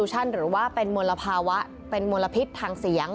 หรือว่าเป็นมลภาวะเป็นมลพิษทางเสียง